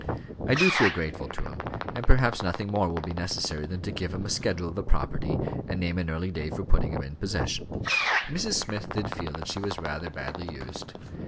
I do feel grateful to him; and perhaps nothing more will be necessary than to give him a schedule of the property, and name an early day for putting him in possession." Mrs. Smith did feel that she was rather badly used.